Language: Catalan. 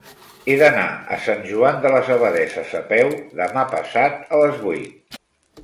He d'anar a Sant Joan de les Abadesses a peu demà passat a les vuit.